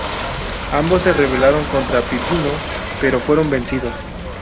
Ambos se rebelaron contra Pipino, pero fueron vencidos.